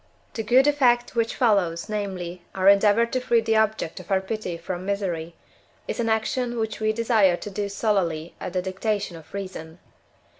The good effect which follows, namely, our endeavour to free the object of our pity from misery, is an action which we desire to do solely at the dictation of reason (IV.